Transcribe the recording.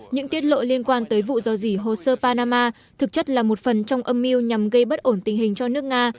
những tiết lộ liên quan tới vụ do dỉ hồ sơ panama thực chất là một phần trong âm mưu nhằm gây bất ổn tình hình cho nước nga